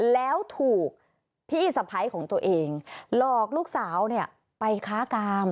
แล้วถูกพี่สะพ้ายของตัวเองหลอกลูกสาวเนี่ยไปค้ากาม